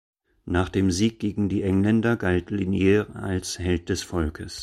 Nach dem Sieg gegen die Engländer galt Liniers als Held des Volkes.